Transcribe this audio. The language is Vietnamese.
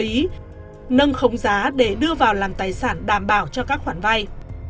lý nâng khống giá để đưa vào làm tài sản đảm bảo cho các khoản vay